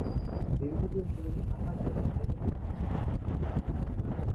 দীর্ঘদিন তিনি আকাশবাণীর সঙ্গে যুক্ত ছিলেন।